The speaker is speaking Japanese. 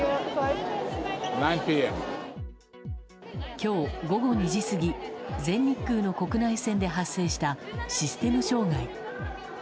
今日午後２時過ぎ、全日空の国内線で発生したシステム障害。